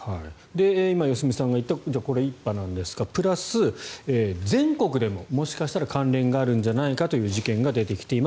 良純さんが言ったこれ一派なんですかということプラス、全国でももしかしたら関連があるんじゃないかという事件が出てきています。